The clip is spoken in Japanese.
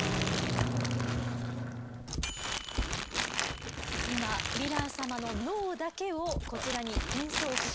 今ヴィラン様の脳だけをこちらに転送させました。